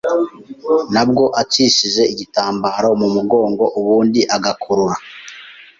nabwo acishije igitambaro mu mugongo ubundi agakurura